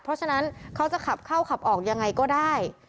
เพราะฉะนั้นเขาจะขับเข้าขับออกยังไงก็ได้